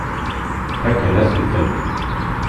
Fakken-asen-ten.